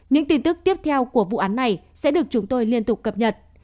những tin tức tiếp theo của vụ án này sẽ được chúng tôi liên tục cập nhật